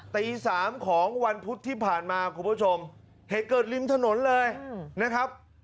ตีสามของวันพุธที่ผ่านมาคุณผู้ชมเหตุเกิดริมถนนเลยนะครับ